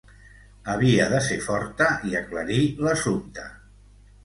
Havia de ser forta i aclarir l'assumpte!